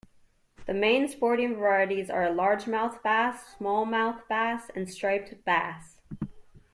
The main sporting varieties are largemouth bass, smallmouth bass and striped bass.